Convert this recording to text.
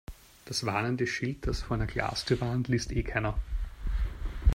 Das warnende Schild, das vor einer Glastür warnt, liest eh keiner.